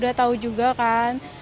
udah tau juga kan